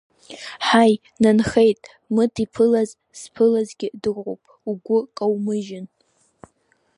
Ҳаи, нанхеит, Мыд иԥылаз зԥылазгьы дыҟоуп, угәы каумыжьын!